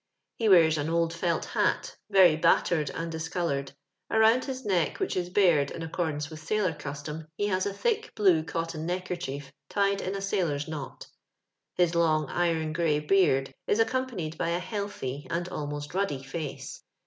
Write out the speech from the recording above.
He wears an old felt hat — very battered and discoloured ; around his neck, which is bared tn accordance with sailor custom, he has a thick blue cotton neckerchief tied in a sailor's knot; his long iron grey beard is accompa nied by a healthy and almost ruddy face.